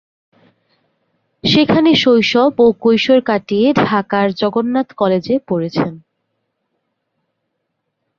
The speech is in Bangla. সেখানে শৈশব ও কৈশোর কাটিয়ে ঢাকার জগন্নাথ কলেজে পড়েছেন।